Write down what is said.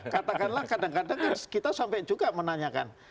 katakanlah kadang kadang kan kita sampai juga menanyakan